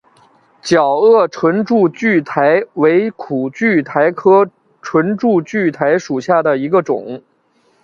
角萼唇柱苣苔为苦苣苔科唇柱苣苔属下的一个种。